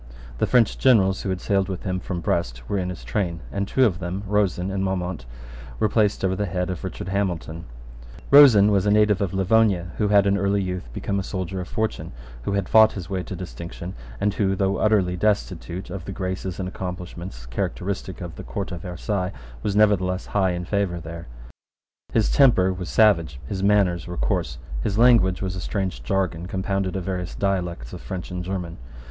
The French generals who had sailed with him from Brest were in his train; and two of them, Rosen and Maumont, were placed over the head of Richard Hamilton, Rosen was a native of Livonia, who had in early youth become a soldier of fortune, who had fought his way to distinction, and who, though utterly destitute of the graces and accomplishments characteristic of the Court of Versailles, was nevertheless high in favour there. His temper was savage: his manners were coarse: his language was a strange jargon compounded of various dialects of French and German.